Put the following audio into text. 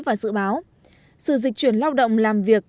và dự báo sự dịch chuyển lao động làm việc